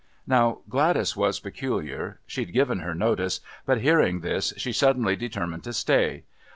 Now Gladys was peculiar. She'd given her notice, but hearing this, she suddenly determined to stay.